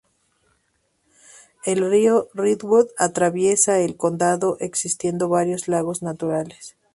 El río Redwood atraviesa el condado existiendo varios lagos naturales.